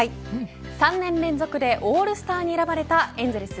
３年連続でオールスターに選ばれたエンゼルス